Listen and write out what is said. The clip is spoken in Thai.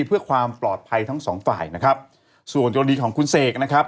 เพื่อความปลอดภัยทั้งสองฝ่ายนะครับส่วนกรณีของคุณเสกนะครับ